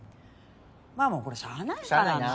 まあもうこれしゃあないからな。